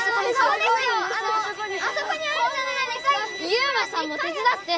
ユウマさんも手つだって！